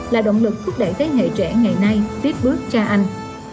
là động lực thúc đẩy thế hệ trẻ ngày nay tiếp bước cha anh